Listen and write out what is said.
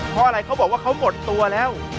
เพราะอะไรเขาบอกว่าเขาหมดตัวแล้ว